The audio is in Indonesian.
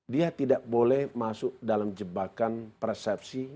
dia tidak boleh masuk dalam jebakan persepsi